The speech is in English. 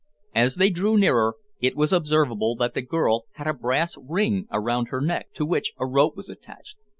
As they drew nearer, it was observable that the girl had a brass ring round her neck, to which a rope was attached.